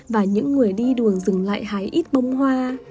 và những người đi đường dừng lại hái ít bông hoa